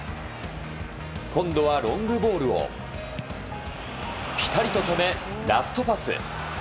今度はロングボールをぴたりと止め、ラストパス。